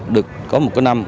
được có một cái năm